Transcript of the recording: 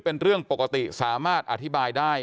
เป็นเรื่องปกติสามารถอธิบายได้